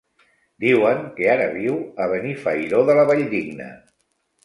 Diuen que ara viu a Benifairó de la Valldigna.